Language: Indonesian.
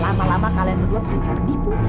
lama lama kalian berdua bisa menipu